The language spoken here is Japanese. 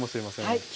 はい。